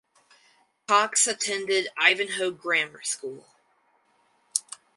Cox attended Ivanhoe Grammar School.